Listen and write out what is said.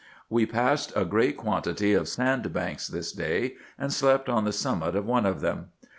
We passed a great quan tity of sand banks this day, and slept on the summit of one of them.